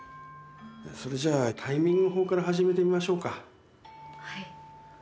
それじゃあ、タイミング法から始めてみましょうか。